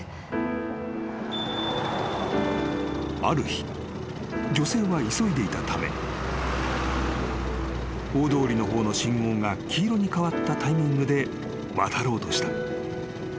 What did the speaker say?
［ある日女性は急いでいたため大通りの方の信号が黄色に変わったタイミングで渡ろうとした］